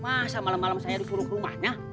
masa malem malem saya disuruh ke rumahnya